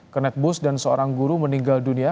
kenet bus dan seorang guru meninggal dunia